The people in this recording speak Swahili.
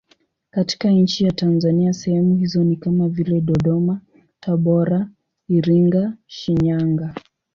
Katika nchi ya Tanzania sehemu hizo ni kama vile Dodoma, Tabora, Iringa, Shinyanga.